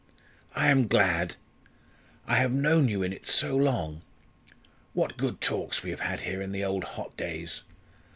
"I am glad. I have known you in it so long. What good talks we have had here in the old hot days!